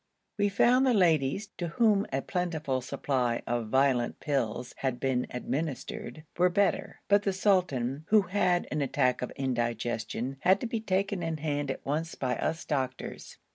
We found the ladies, to whom a plentiful supply of violent pills had been administered, were better, but the sultan, who had an attack of indigestion, had to be taken in hand at once by us doctors.